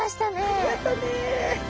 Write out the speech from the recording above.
ありがとうね。